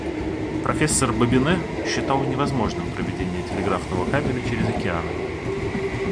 Профессор Бабине считал невозможным проведение телеграфного кабеля через океаны.